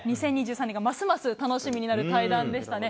２０２３年がますます楽しみになる対談でしたね。